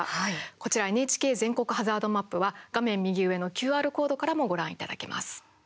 こちらＮＨＫ全国ハザードマップは画面右上のＱＲコードからもご覧いただけます。